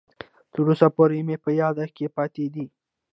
تر اوسه پورې مې په یاد کې پاتې ده.